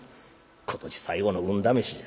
「今年最後の運試しじゃ。